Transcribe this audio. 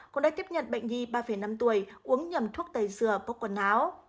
cũng đã tiếp nhận bệnh nhi ba năm tuổi uống nhầm thuốc tẩy dừa bốc quần áo